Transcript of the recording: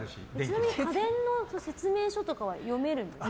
ちなみに家電の説明書とかは読めるんですか？